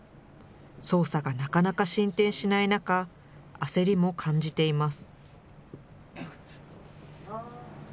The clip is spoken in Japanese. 捜査がなかなか進展しない中、焦りも感じています。